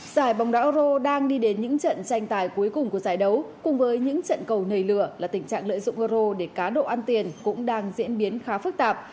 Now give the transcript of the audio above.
giải bóng đá euro đang đi đến những trận tranh tài cuối cùng của giải đấu cùng với những trận cầu nề lửa là tình trạng lợi dụng euro để cá độ ăn tiền cũng đang diễn biến khá phức tạp